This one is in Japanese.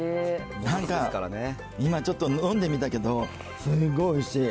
なんか、今ちょっと飲んでみたけど、すんごいおいしい。